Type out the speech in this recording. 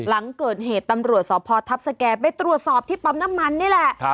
หลังเกิดเหตุตำรวจสพทัพสแก่ไปตรวจสอบที่ปั๊มน้ำมันนี่แหละ